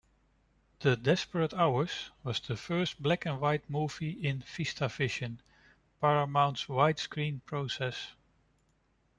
"The Desperate Hours" was the first black-and-white movie in VistaVision, Paramount's wide-screen process.